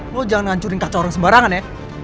lo jangan ngancurin kacau orang sembarangan ya